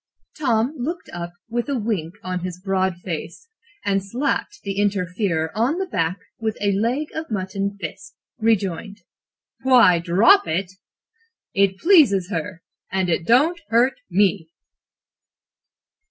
"Tom looked up with a wink on his broad face, and, slapping the interferer on the back with a leg of mutton fist, rejoined: "'Why, drop it! It pleases her and it don't hurt me!'"